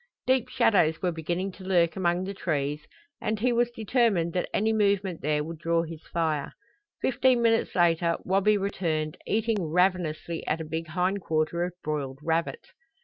Deep shadows were beginning to lurk among the trees and he was determined that any movement there would draw his fire. Fifteen minutes later Wabi returned, eating ravenously at a big hind quarter of broiled rabbit.